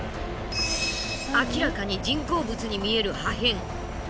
明らかに人工物に見える破片。